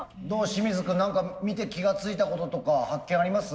清水君何か見て気が付いたこととか発見あります？